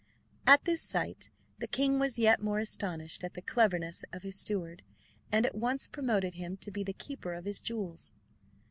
At this sight the king was yet more astonished at the cleverness of his steward, and at once promoted him to be the keeper of his jewels.